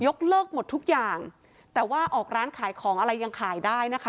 เลิกหมดทุกอย่างแต่ว่าออกร้านขายของอะไรยังขายได้นะคะ